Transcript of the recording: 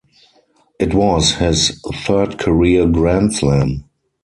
It was his third career grand slam.